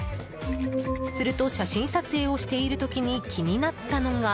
すると写真撮影をしている時に気になったのが。